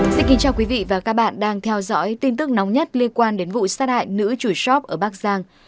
xin kính chào quý vị và các bạn đang theo dõi tin tức nóng nhất liên quan đến vụ sát hại nữ chủ shop ở bắc giang